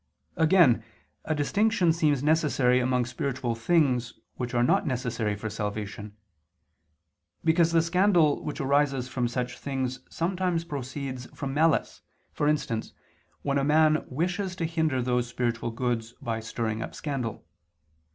Again a distinction seems necessary among spiritual things which are not necessary for salvation: because the scandal which arises from such things sometimes proceeds from malice, for instance when a man wishes to hinder those spiritual goods by stirring up scandal.